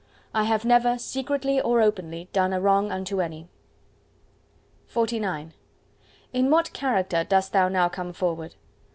"I have never, secretly or openly, done a wrong unto any." XLIX In what character dost thou now come forward?